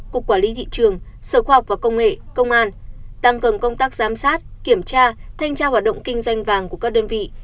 cục quản lý thị trường sở khoa học và công nghệ công an tăng cường công tác giám sát kiểm tra thanh tra hoạt động kinh doanh vàng của các đơn vị